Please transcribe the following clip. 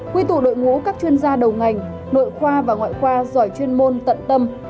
quy tụ đội ngũ các chuyên gia đầu ngành nội khoa và ngoại khoa giỏi chuyên môn tận tâm